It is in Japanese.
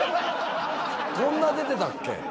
こんな出てたっけ？